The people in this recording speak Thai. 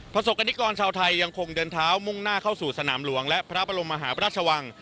ประสบกรณิกรชาวไทยยังคงเดินเท้ามุ่งหน้าเข้าสู่สนามหลวงและพระบรมมหาพระราชวัง